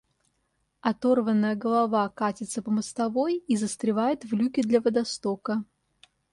Оторванная голова катится по мостовой и застревает в люке для водостока.